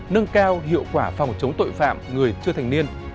nâng cao hiệu quả phòng chống tội phạm người chưa thành niên